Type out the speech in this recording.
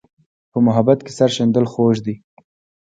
په محبت کې سر شیندل خوږ دي.